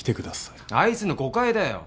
あいつの誤解だよ。